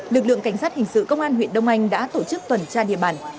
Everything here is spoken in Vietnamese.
lực lượng cảnh sát hình sự công an huyện đông anh đã tổ chức tuần tra địa bàn